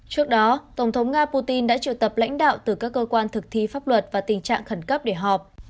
trước đó tổng thống nga putin đã triệu tập lãnh đạo từ các cơ quan thực thi pháp luật và tình trạng khẩn cấp để họp